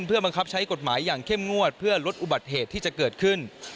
เพื่อบังคับใช้กฎหมายอย่างเข้มงวดเพื่อลดอุบัติเหตุที่จะเกิดขึ้น